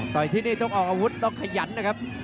ที่นี่ต้องออกอาวุธต้องขยันนะครับ